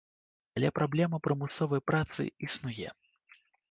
Але праблема прымусовай працы існуе.